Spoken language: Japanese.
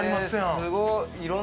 すごい。